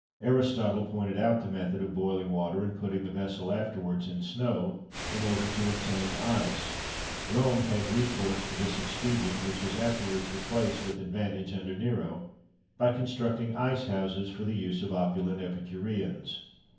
Aristotle pointed out the method of boiling water, and putting the vessel afterwards in snow, in order to obtain ice. Rome had recourse to this expedient, which was afterwards replaced with advantage, under Nero, by constructing ice houses for the use of opulent epicureans.